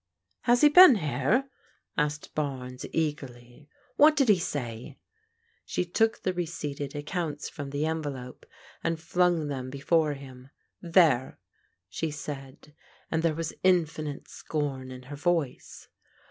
" Has he been here ?" asked Barnes eagerly. " What did he say ?" She took the receipted accounts from the envelope and flung them before him. " There !" she said, and there was infinite scorn in her voice.